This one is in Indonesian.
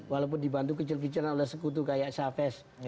walaupun dibantu kecil kecilan oleh sekutu kaya chavez